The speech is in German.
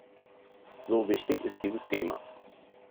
So wichtig ist dieses Thema.